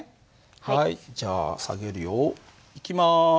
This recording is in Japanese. はいじゃあ下げるよ。いきます。